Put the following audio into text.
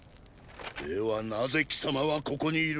ではなぜ貴様はここにいる。